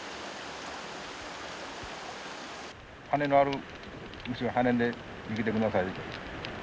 羽のある虫は羽で逃げて下さい。